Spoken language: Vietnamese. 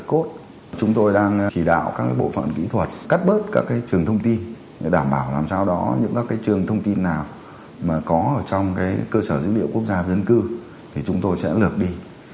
chúng tôi đang chỉ đạo các bộ phận kỹ thuật cắt bớt các trường thông tin để đảm bảo làm sao đó những các trường thông tin nào mà có ở trong cơ sở dữ liệu quốc gia về dân cư thì chúng tôi sẽ lược đi